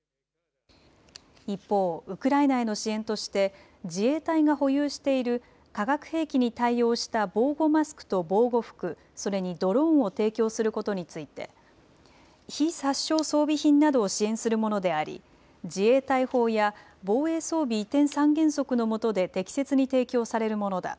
一方、ウクライナへの支援として自衛隊が保有している化学兵器に対応した防護マスクと防護服、それにドローンを提供することについて非殺傷装備品などを支援するものであり自衛隊法や防衛装備移転三原則のもとで適切に提供されるものだ。